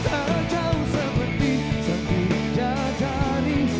tak jauh sabar di samping gadari